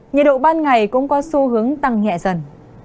nhiệt độ ban ngày cũng có xu hướng tăng nhẹ dần